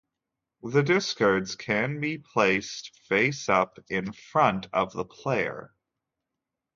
The discards can be placed face-up in front of the player.